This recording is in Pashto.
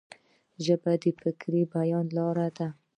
ژبه د فکري بیان لار ده.